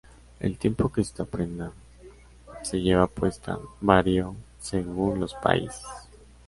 El tiempo que esta prenda se llevaba puesta varió según los países.